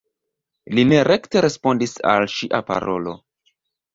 Li ne rekte respondis al ŝia parolo.